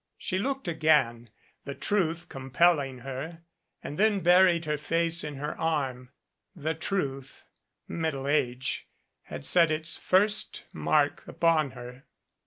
She looked again, the truth compelling her, and then buried her face in her arm. The truth middle age, had set its first mark upon her.